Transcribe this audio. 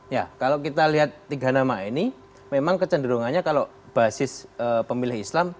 ya kalau kita lihat tiga nama ini memang kecenderungannya kalau basis pemilih islam